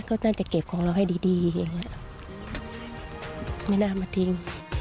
ก็น่าจะเก็บของเราให้ดีไม่น่ามาทิ้ง